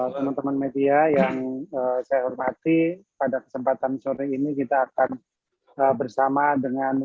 teman teman media yang saya hormati pada kesempatan sore ini kita akan bersama dengan